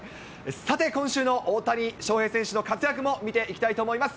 さて、今週の大谷翔平選手の活躍も見ていきたいと思います。